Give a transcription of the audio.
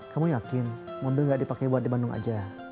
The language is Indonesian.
kamu yakin mobil gak dipake buat di bandung aja